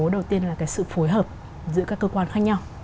đầu tiên là cái sự phối hợp giữa các cơ quan khác nhau